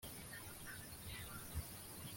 shebuja amusonera umwenda we araruhuka